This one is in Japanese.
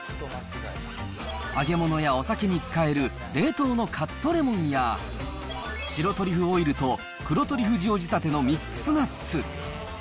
揚げ物やお酒に使える冷凍のカットレモンや、白トリュフオイルと黒トリュフ塩仕立てのミックスナッツ。